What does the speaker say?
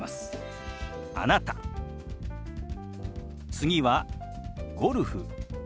次は「ゴルフ」。